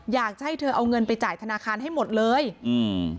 อยากจะให้เธอเอาเงินไปจ่ายธนาคารให้หมดเลยอืม